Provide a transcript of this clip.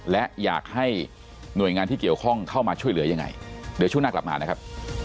และอยากให้หน่วยงานที่เกี่ยวข้องเข้ามาช่วยเหลือยังไงเดี๋ยวช่วงหน้ากลับมานะครับ